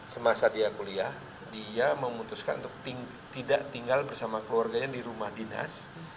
semasa dia kuliah dia memutuskan untuk tidak tinggal bersama keluarganya di rumah dinas